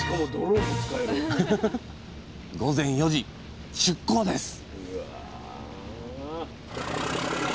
午前４時出港です！